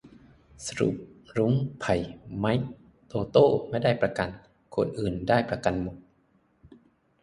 สรุป รุ้ง ไผ่ ไมค์ โตโต้ ไม่ได้ประกัน คนอื่นได้ประกันหมด